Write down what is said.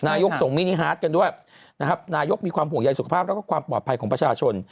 นายกส่งมินี่ฮาร์ทกันด้วยนายกมีความห่วงใยสุขภาพและปลอดภัยของประชาชน